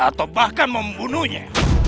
atau bahkan membunuhnya